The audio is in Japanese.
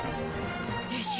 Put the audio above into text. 弟子？